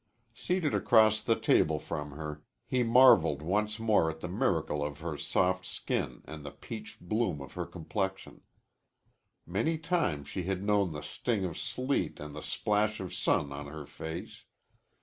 Seated across the table from her, he marveled once more at the miracle of her soft skin and the peach bloom of her complexion. Many times she had known the sting of sleet and the splash of sun on her face.